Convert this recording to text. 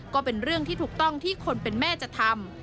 ก็เป็นเรื่องที่ถูกต้องที่คนเป็นแม่จะทำ